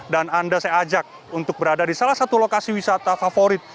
dan anda saya ajak untuk berada di salah satu lokasi wisata favorit